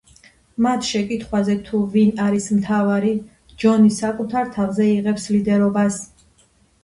მათ შეკითხვაზე, თუ ვინ არის მთავარი, ჯონი საკუთარ თავზე იღებს ლიდერობას.